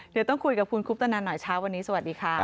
เดี๋ยวต้องคุยกับคุณคุปตนันหน่อยเช้าวันนี้สวัสดีค่ะ